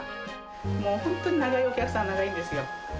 もう本当に長いお客さん、長いんですよ。